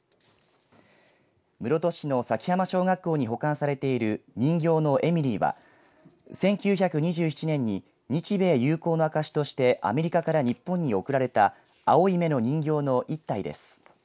室戸市の佐喜浜小学校に保管されている人形のエミリーは１９２７年に日米友好の証しとしてアメリカから日本に贈られた青い目の人形の一体です。